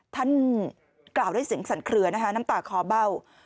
ท่านกล่าวด้วยเสียงสั่นเคลือนะคะน้ำตาคอเบ้า